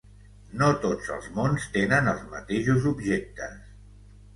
No tots els mons tenen els mateixos objectes.